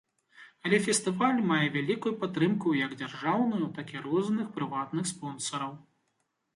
Але фестываль мае вялікую падтрымку як дзяржаўную, так і розных прыватных спонсараў.